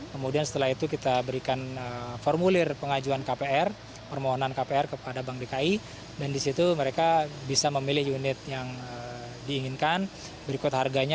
kemudian setelah itu kita berikan formulir pengajuan kpr permohonan kpr kepada bank dki dan disitu mereka bisa memilih unit yang diinginkan berikut harganya